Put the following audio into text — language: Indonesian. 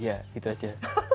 iya gitu aja